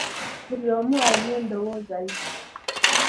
Buli omu alina endowooza ye.